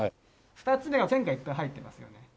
２つ目は線がいっぱい入ってますよね。